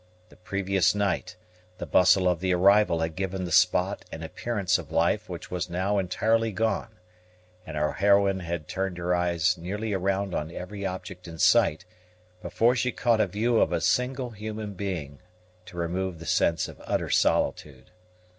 The previous night, the bustle of the arrival had given the spot an appearance of life which was now entirely gone; and our heroine had turned her eyes nearly around on every object in sight, before she caught a view of a single human being to remove the sense of utter solitude.